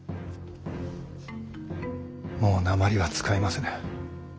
もうなまりは使いませぬ。